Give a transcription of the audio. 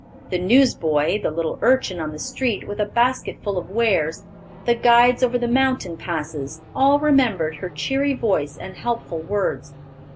The newsboy, the little urchin on the street with a basket full of wares, the guides over the mountain passes, all remembered her cheery voice and helpful words.